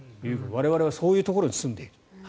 我々はそういうところに住んでいると。